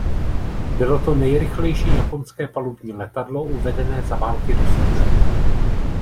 Bylo to nejrychlejší japonské palubní letadlo uvedené za války do služby.